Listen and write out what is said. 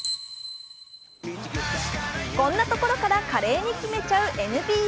こんなところから華麗に決めちゃうＮＢＡ。